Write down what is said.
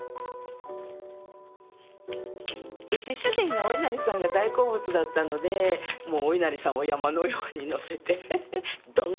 うち主人がおいなりさんが大好物だったのでもうおいなりさんを山のようにのせてドン！